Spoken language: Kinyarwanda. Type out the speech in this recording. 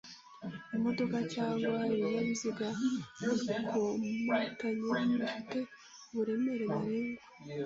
Imodoka cyangwa ibinyabiziga bikomatanye bifite uburemere ntarengwa